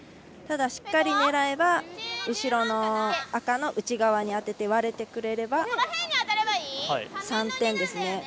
ただ、しっかり狙えば後ろの赤の内側に当てて割れてくれれば、３点ですね。